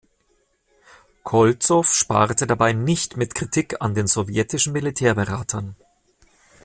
Kolzow sparte dabei nicht mit Kritik an den sowjetischen Militärberatern.